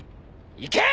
行け！